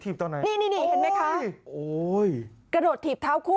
ถีบต่อไหนโอ๋ยโอ๋ยนี่นี่นี่เห็นไหมคะ